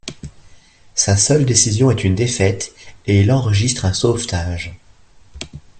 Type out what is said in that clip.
Sa seule décision est une défaite et il enregistre un sauvetage.